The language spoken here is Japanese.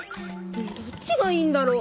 どっちがいいんだろ？